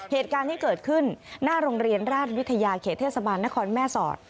เหตุการณ์ที่เกิดขึ้นหน้าโรงเรียนราชวิทยาเขตเทศบาลนครแม่สอด